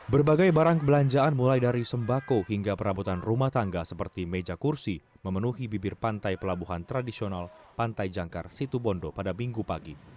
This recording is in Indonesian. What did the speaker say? berbagai barang belanjaan mulai dari sembako hingga perabotan rumah tangga seperti meja kursi memenuhi bibir pantai pelabuhan tradisional pantai jangkar situbondo pada minggu pagi